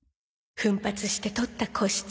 奮発して取った個室